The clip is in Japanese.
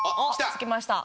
つきました。